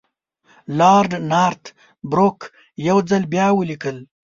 لارډ نارت بروک یو ځل بیا ولیکل.